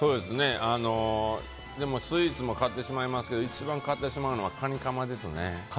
スイーツも買ってしまいますけど一番買ってしまうのはカニかまですね。